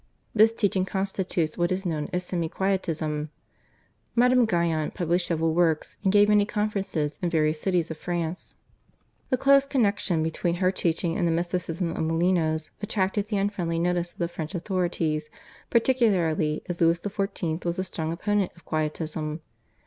This teaching constitutes what is known as Semi Quietism. Madame Guyon published several works and gave many conferences in various cities of France. The close connexion between her teaching and the mysticism of Molinos attracted the unfriendly notice of the French authorities, particularly as Louis XIV. was a strong opponent of Quietism.